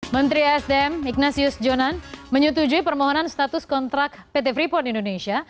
menteri sdm ignatius jonan menyetujui permohonan status kontrak pt freeport indonesia